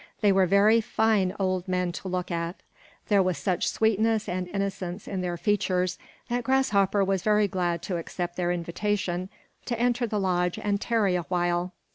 They were very fine old men to look at. There was such sweetness and innocence in their features that Grasshopper was very glad to accept their invitation to enter the lodge and tarry a while.